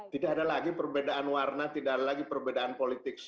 tidak ada lagi perbedaan warna tidak ada lagi perbedaan politik